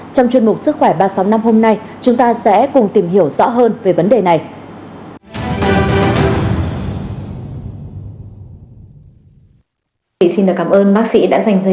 trong chuyên mục sức khỏe ba trăm sáu mươi năm hôm nay chúng ta sẽ cùng tìm hiểu rõ hơn về vấn đề này